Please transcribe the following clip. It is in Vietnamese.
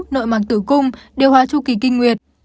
nội mạng tử cung điều hòa tru kỳ kinh nguyệt